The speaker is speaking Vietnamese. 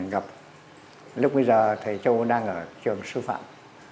gặp lúc bây giờ thầy châu đang ở trường sư phạm